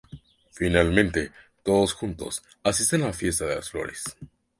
Finalmente todos juntos asisten a la fiesta de las flores.